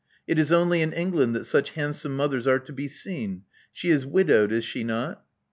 It is only in England that such handsome mothers are to be seen. She is widowed, is she not?"